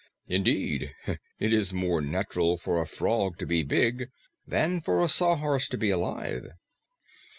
Indeed, it is more natural for a frog to be big than for a Sawhorse to be alive."